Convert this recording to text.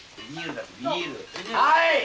はい！